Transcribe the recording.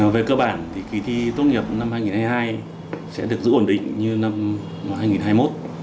về cơ bản thì kỳ thi tốt nghiệp năm hai nghìn hai mươi hai sẽ được giữ ổn định như năm hai nghìn hai mươi một